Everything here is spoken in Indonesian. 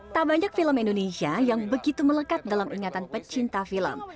tak banyak film indonesia yang begitu melekat dalam ingatan pecinta film